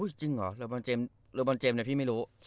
เว้ยจริงหรอลาบอนเจมส์แต่พี่ไม่รู้